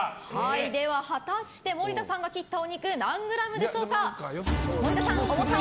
では、果たして森田さんが切ったお肉は何グラムでしょうか。